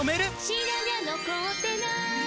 「白髪残ってない！」